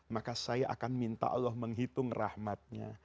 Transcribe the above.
maka saya akan minta allah menghitung rahmatnya